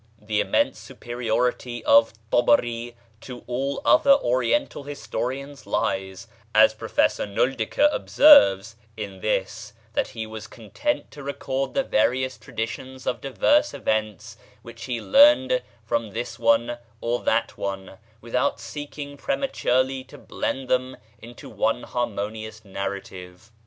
The immense superiority of Tabarí to all other Oriental historians lies, as Professor Noeldeke observes, in this, that he was content to record the various traditions of diverse events which he learned from this one or that one without seeking prematurely to blend them into one harmonious narrative.